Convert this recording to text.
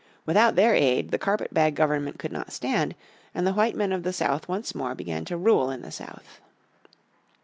Without their aid the carpet bag government could not stand, and the white men of the South once more began to rule in the South.